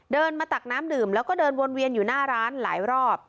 เดินมาตักน้ำดื่มแล้วก็เดินวนเวียนอยู่หน้าร้านหลายรอบ